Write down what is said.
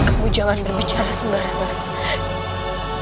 ibu naya ketering mani